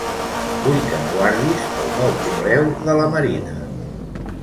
Vull que em guardis el nou correu de la Marina.